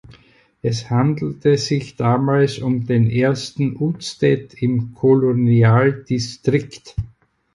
Es handelte sich damals um den ersten Udsted im Kolonialdistrikt.